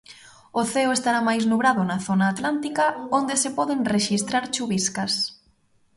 O ceo estará máis nubrado na zona atlántica, onde se poden rexistrar chuviscas.